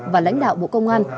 và lãnh đạo bộ công an